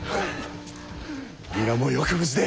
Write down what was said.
皆もよく無事で！